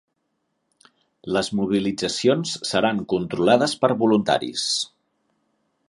Les mobilitzacions seran controlades per voluntaris